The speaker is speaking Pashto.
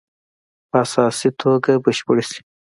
په اساسي توګه بشپړې شي.